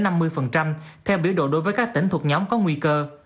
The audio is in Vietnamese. nhóm có nguy cơ